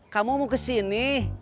kamu mau kesini